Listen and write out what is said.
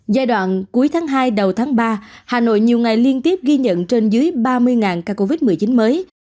giai đoạn cuối tháng hai đầu tháng ba hà nội nhiều ngày liên tiếp ghi nhận trên dưới ba mươi ca covid một mươi chín mới